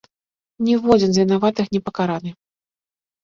Ніводзін з вінаватых не пакараны.